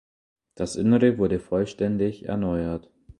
Das Innere wurde vollständig erneuert.